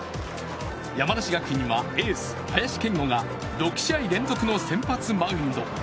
山梨学院はエース・林謙吾が６試合連続の先発マウンド。